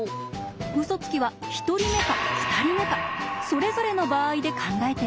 ウソつきは１人目か２人目かそれぞれの場合で考えていきます。